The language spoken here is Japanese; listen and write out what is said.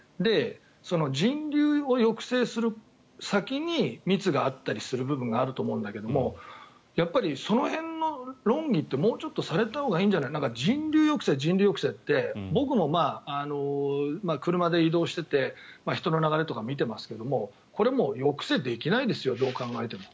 人流を抑制する先に密があったりする部分があると思うんだけどやっぱりその辺の論議ってもうちょっとされたほうがいいんじゃないか人流抑制、人流抑制って僕も車で移動していて人の流れとかを見ていますがこれはもう抑制できないですよどう考えても。